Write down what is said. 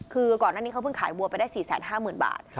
คือก่อนหน้านี้เขาเพิ่งขายวัวไปได้๔๕๐๐๐บาท